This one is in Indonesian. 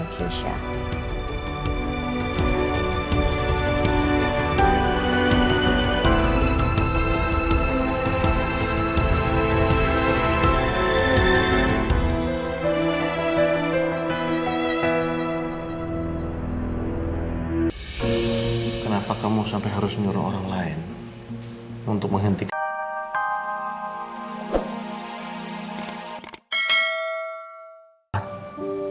indonesia kenapa kamu sampai harus menyuruh orang lain untuk menghentikan